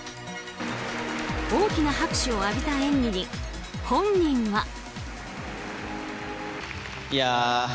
大きな拍手を受けた演技に本人は。